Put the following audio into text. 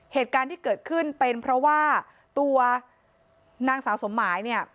เหตุการณ์ที่เกิดขึ้นเป็นเพราะว่าตัวนางสาวสมหมายเนี่ย